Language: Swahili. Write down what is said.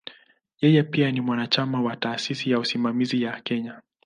Yeye pia ni mwanachama wa "Taasisi ya Usimamizi ya Kenya".